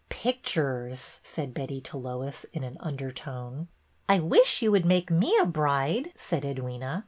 Pictures !" said Betty to Lois, in an under tone. I wish you would make me a bride," said Edwyna.